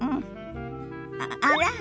あら？